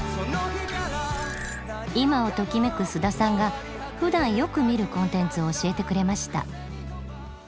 今をときめく菅田さんがふだんよく見るコンテンツを教えてくれました